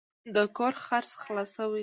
د کور خرڅ خلاص شوی دی.